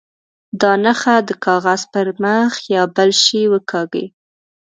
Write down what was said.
دا نښه د کاغذ پر مخ یا بل شي وکاږي.